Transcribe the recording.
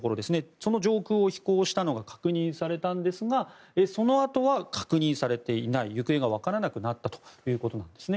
その上空を飛行したのが確認されたんですがそのあとは確認されていない行方がわからなくなったということなんですね。